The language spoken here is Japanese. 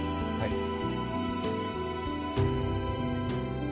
はい。